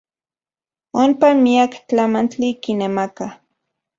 Onpa miak tlamantli kinemakaj.